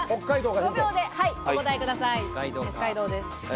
５秒でお答えください。